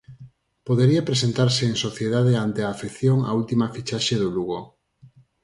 Podería presentarse en sociedade ante a afección a última fichaxe do Lugo.